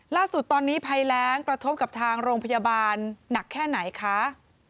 ล่าสุดตอนนี้ภัยแรงกระทบกับทางโรงพยาบาลหนักแค่ไหนคะ